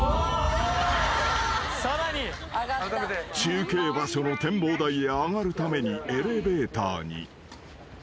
［中継場所の展望台へ上がるためにエレベーターに］